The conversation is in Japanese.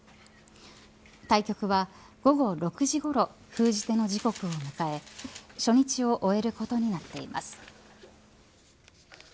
対局は午後６時ごろ封じ手の時刻を迎え初日を終えることになっています。